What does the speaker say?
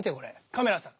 カメラさん？